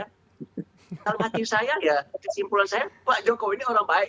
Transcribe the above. karena hati saya ya kesimpulan saya pak jokowi ini orang baik